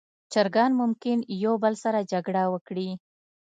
چرګان ممکن یو بل سره جګړه وکړي.